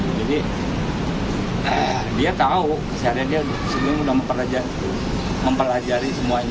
jadi pelaku tahu bahwa pelaku sudah mempelajari semuanya